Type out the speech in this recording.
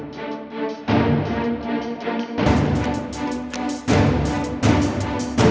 jadi masih pokok abe